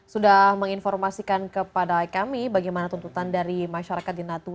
terima kasih mbak